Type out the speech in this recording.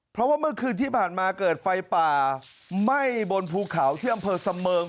เพราะว่าเมื่อคืนที่ผ่านมาเกิดไฟป่าไหม้บนภูเขาที่อำเภอเสมิง